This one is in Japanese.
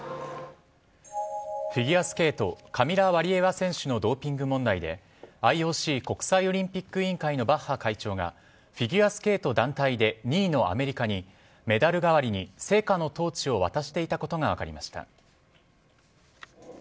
フィギュアスケートカミラ・ワリエワ選手のドーピング問題でＩＯＣ＝国際オリンピック委員会のバッハ会長がフィギュアスケート団体で２位のアメリカにメダル代わりに聖火のトーチを渡していたことが分かりました。